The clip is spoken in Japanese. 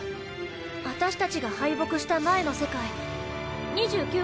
私たちが敗北した前の世界２９号